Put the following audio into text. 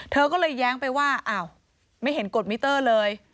เธอก็เลยแย้งไปว่าอ้าวไม่เห็นกดมิเตอร์เลย